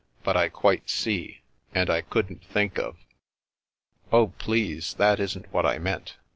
" But I quite see, and I couldn't think of "*' Oh, please, that isn't what I meant.